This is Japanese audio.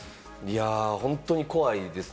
本当に怖いですね。